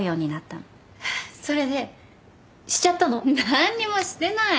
何にもしてない。